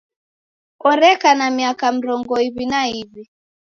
Oreka na miaka mrongo iw'I na iw'i.